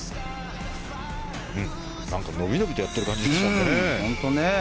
何か伸び伸びとやっている感じですね。